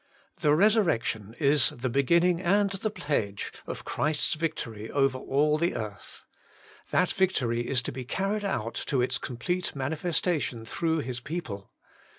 The resur rection is the beginning and the pledge of Christ's victory over all the earth. That victory is to be carried out to its complete Working for God 73 manifestation through His people.